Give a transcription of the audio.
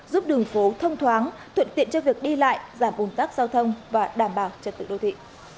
giúp đường phố thông thoáng thuận tiện cho việc đi lại giảm vùng tắc giao thông và đảm bảo cho tựa đô thị